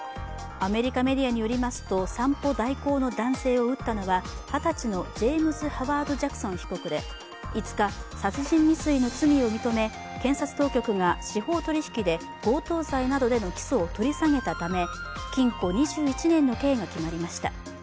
アメリカメディアによりますと散歩代行の男性を撃ったのは二十歳のジェームズ・ハワード・ジャクソン被告で５日、殺人未遂の罪を認め検察当局が司法取引で、強盗罪などでの起訴を取り下げたため禁錮２１年の刑が決まりました。